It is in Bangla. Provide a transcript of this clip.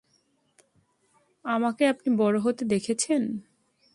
আমাকে আপনি বড়ো হতে দেখেছেন।